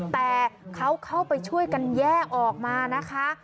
แต่เขาเข้าไปช่วยกันแย่ออกมานะคะ